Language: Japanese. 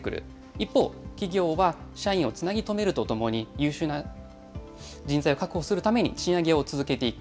一方、企業は社員をつなぎ止めるとともに、優秀な人材を確保するために賃上げを続けていく。